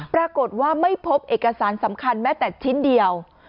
ปรากฏว่าไม่พบเอกสารสำคัญแม้แต่ชิ้นเดียว